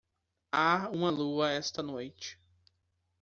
Há uma lua esta noite.